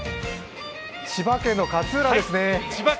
千葉県の勝浦ですね。